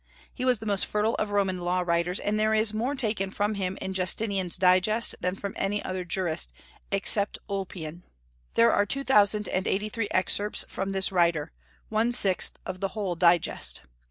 He was the most fertile of Roman law writers, and there is more taken from him in Justinian's Digest than from any other jurist, except Ulpian. There are two thousand and eighty three excerpts from this writer, one sixth of the whole Digest.